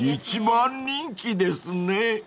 ［一番人気ですね］